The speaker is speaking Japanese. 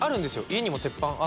家にも鉄板。